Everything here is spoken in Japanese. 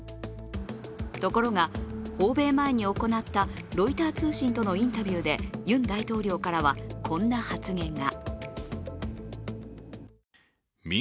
ところが、訪米前に行ったロイター通信とのインタビューでユン大統領からは、こんな発言が。